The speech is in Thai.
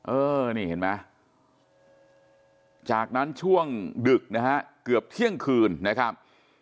เออนี่เห็นไหมจากนั้นช่วงดึกนะฮะเกือบเที่ยงคืนนะครับ